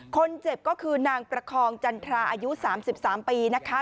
คนเจ็บก็คือนางประคองจันทราอายุ๓๓ปีนะคะ